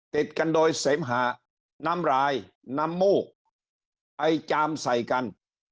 ติดกันโดยเสมหะน้ำรายน้ำมูกไปจามใส่กัน